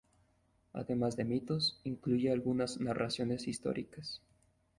Además de mitos, incluye algunas narraciones históricas.